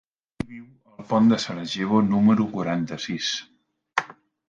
Qui viu al pont de Sarajevo número quaranta-sis?